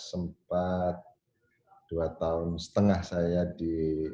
sempat dua tahun setengah saya di